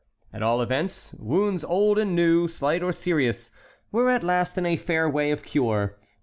At all events, wounds old and new, slight or serious, were at last in a fair way of cure.